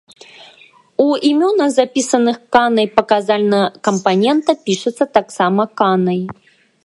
У імёнах, запісаных канай, паказальны кампанента пішацца таксама канай.